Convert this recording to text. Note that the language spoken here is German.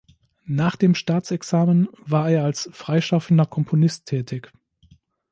Nach dem Staatsexamen war er als freischaffender Komponist tätig.